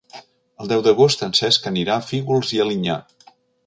El deu d'agost en Cesc anirà a Fígols i Alinyà.